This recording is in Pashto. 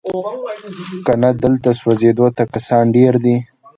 کنه دلته سوځېدو ته کسان ډیر دي